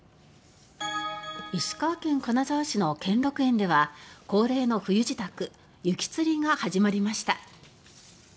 石川県金沢市の兼六園では恒例の冬支度雪つりが始まりました。